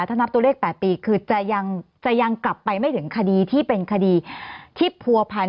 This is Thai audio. ถ้านับตัวเลข๘ปีคือจะยังกลับไปไม่ถึงคดีที่เป็นคดีที่ผัวพัน